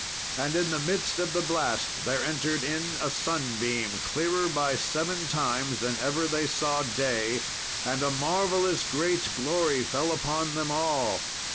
And in the midst of the blast there entered in a sunbeam, clearer by seven times than ever they saw day, and a marvellous great glory fell upon them all.